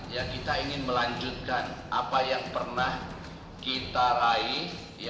ya kita ingin melanjutkan apa yang pernah kita raih